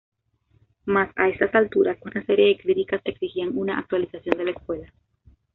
Mas a esas alturas una serie de críticas exigían una actualización de la escuela.